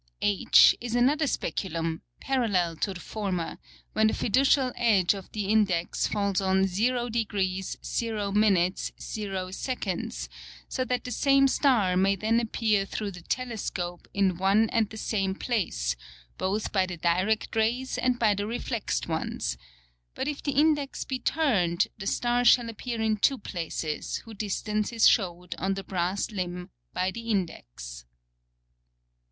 H, is another Speculum, parallel to the former, when the fiducial Edge of the Index falls on 00d 00' 00''; so that the same Star may then appear through <156> the Telescope, in one and the same Place, both by the direct Rays and by the refelx'd ones; but if the Index be turned, the Star shall appear in two Places, whose Distance is shewed, on the Brass Limb, by the Index.